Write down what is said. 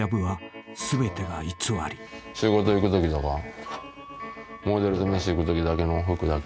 仕事行くときとかモデルと飯行くときの服だけ。